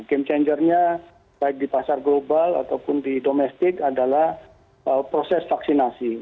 game changernya baik di pasar global ataupun di domestik adalah proses vaksinasi